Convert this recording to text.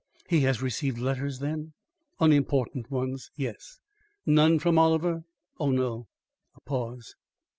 "He has received letters then?" "Unimportant ones, yes." "None from Oliver?" "Oh, no." A pause.